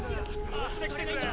持ってきてくれ。